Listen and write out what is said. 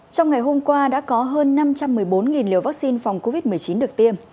trong ngày hôm qua đã có hơn năm trăm một mươi bốn liều vaccine phòng covid một mươi chín được tiêm